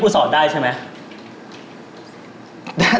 คุณจำที่ผมสอนได้ใช่ไหม